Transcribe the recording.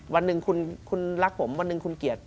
วันหนึ่งคุณรักผมวันหนึ่งคุณเกลียด